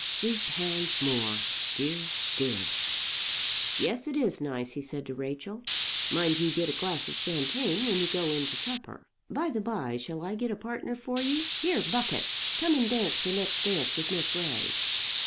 "Three pounds more; dear, dear!" "Yes, it is nice!" he said to Rachel. "Mind you get a glass of champagne when you go in to supper. By the by, shall I get a partner for you? Here, Buckett, come and dance the next dance with Miss Ray."